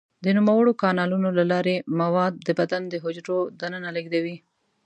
د نوموړو کانالونو له لارې مواد د بدن د حجرو دننه لیږدوي.